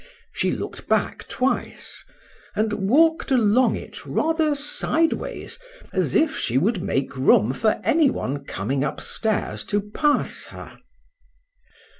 She look'd back twice, and walk'd along it rather sideways, as if she would make room for any one coming up stairs to pass her.